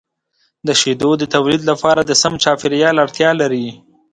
د شیدو د تولید لپاره د سم چاپیریال اړتیا لري.